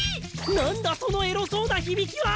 何だそのエロそうな響きは！